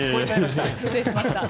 失礼しました。